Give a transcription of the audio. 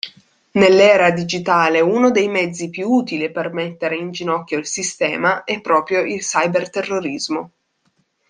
Nell'era digitale uno dei mezzi più utili per mettere in ginocchio il sistema è proprio il cyber-terrorismo.